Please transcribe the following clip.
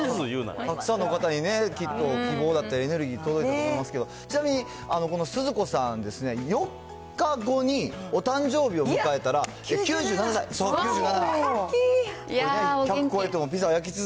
たくさんの方にね、結構希望だったりエネルギー、届いたと思いますけど、ちなみにこのスズ子さんですね、４日後にお誕生日を迎えたら、９７歳、９７。